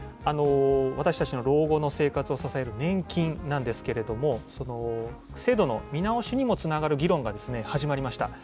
私たちの老後の生活を支える年金なんですけれども、制度の見直しにもつながる議論が始まりました。